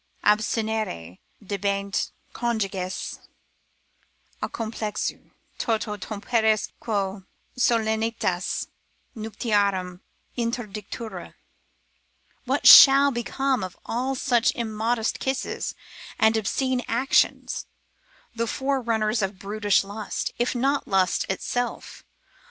abstinere debent conjuges a complexu, toto tempore quo solennitas nuptiarum interdicitur, what shall become of all such immodest kisses and obscene actions, the forerunners of brutish lust, if not lust itself!